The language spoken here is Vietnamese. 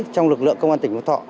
trong lực lượng công an tỉnh phú thọ